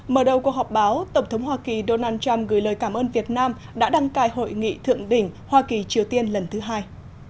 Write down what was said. mở đầu cuộc họp báo tổng thống hoa kỳ donald trump gửi lời cảm ơn việt nam đã đăng cài hội nghị thượng đỉnh hoa kỳ triều tiên lần thứ hai